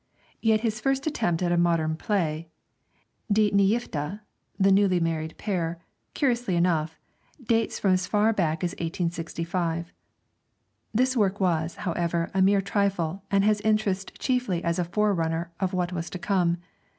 Yet his first attempt at a modern problem play, 'De Nygifte' (The Newly Married Pair), curiously enough, dates from as far back as 1865. This work was, however, a mere trifle, and has interest chiefly as a forerunner of what was to come.